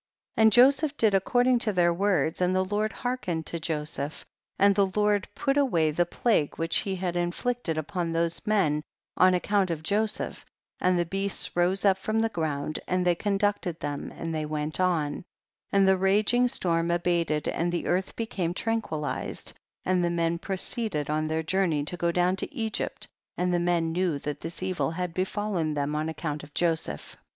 48. And Joseph did according to their words, and the Lord hearkened to Joseph, and the Lord put away the plague yvhich he had inflicted upon those men on account of Jo seph, and the beasts rose up from the ground and they conducted them, and they went on, and the raging storm abated and the earth became tranquilized, and the men proceeded on their journey to go down to Egypt, and the men knew that this evil had befallen them on account of Joseph.